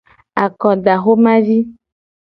Akodaxomavi.